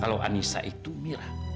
kalau anissa itu mira